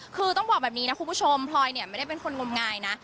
คือต้องบอกแบบนี้นะคุณผู้ชมพลอยเนี่ยไม่ได้เป็นคนงมงายนะ